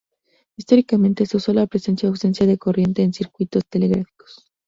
Históricamente se usó la presencia o ausencia de corriente en circuitos telegráficos.